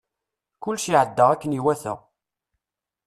Kullec iɛedda akken iwata.